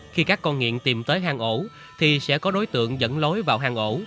khi các con nghiện tìm tới hàng ổ thì sẽ có đối tượng dẫn lối vào hàng ổ